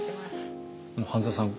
半澤さん。